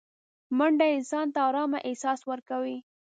منډه انسان ته ارامه احساس ورکوي